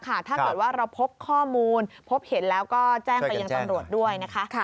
ถ้าเกิดว่าเราพบข้อมูลพบเห็นแล้วก็แจ้งไปยังตำรวจด้วยนะคะ